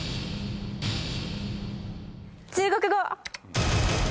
中国語。